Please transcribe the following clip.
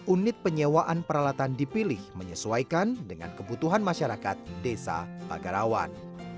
unit penyewaan peralatan dipilih menyesuaikan dengan kebutuhan masyarakat desa pagarawan